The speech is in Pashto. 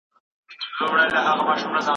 که چاپېريال ښه وي تعليم اغېزمن کېږي.